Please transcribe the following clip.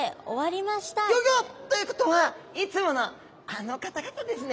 ギョギョッ！ということはいつものあの方々ですね。